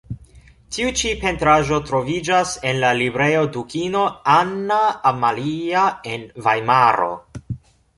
Tiu ĉi pentraĵo troviĝas en la Librejo Dukino Anna Amalia en Vajmaro.